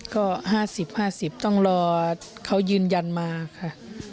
ก็ห้าสิบห้าสิบต้องรอเขายืนยันมาค่ะ